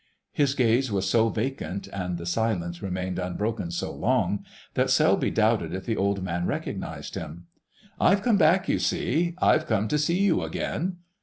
His gaze was so vacant and the silence remained unbroken so long that Selby doubted if the old man recognised him. "I've come back, you see. I've come to see you again."